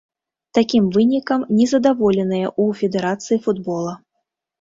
Такім вынікам не задаволеныя ў федэрацыі футбола.